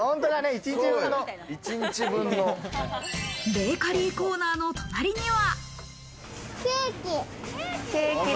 ベーカリーコーナーの隣には。